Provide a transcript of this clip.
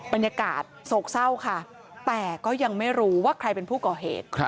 บรรยากาศโศกเศร้าค่ะแต่ก็ยังไม่รู้ว่าใครเป็นผู้ก่อเหตุ